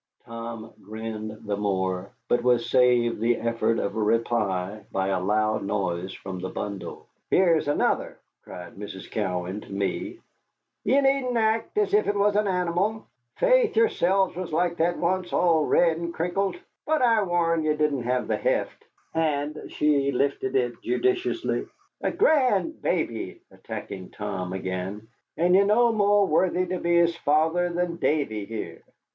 Tom grinned the more, but was saved the effort of a reply by a loud noise from the bundle. "Here's another," cried Mrs. Cowan to me. "Ye needn't act as if it was an animal. Faith, yereself was like that once, all red an' crinkled. But I warrant ye didn't have the heft," and she lifted it, judicially. "A grand baby," attacking Tom again, "and ye're no more worthy to be his father than Davy here."